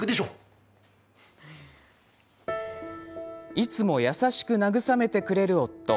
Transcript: いつも優しく慰めてくれる夫。